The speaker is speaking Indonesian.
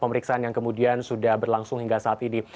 pemeriksaan yang kemudian sudah berlangsung hingga saat ini